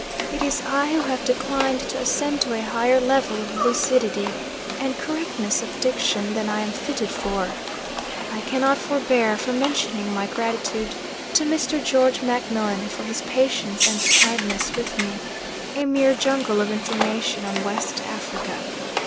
It is I who have declined to ascend to a higher level of lucidity and correctness of diction than I am fitted for. I cannot forbear from mentioning my gratitude to Mr. George Macmillan for his patience and kindness with me, a mere jungle of information on West Africa.